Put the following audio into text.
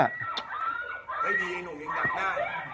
ไม่ดีไอ้หนุ่มยังดับหน้า